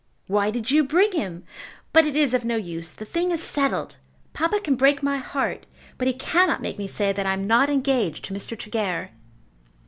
Why did you bring him? But it is of no use. The thing is settled. Papa can break my heart, but he cannot make me say that I am not engaged to Mr. Tregear."